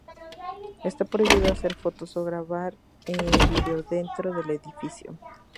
Está prohibido hacer fotos o grabar en vídeo dentro del edificio.